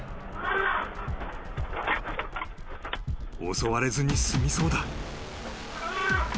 ［襲われずに済みそうだ］